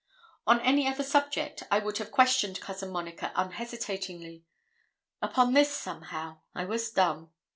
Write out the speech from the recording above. On any other subject I would have questioned Cousin Monica unhesitatingly; upon this, somehow, I was dumb.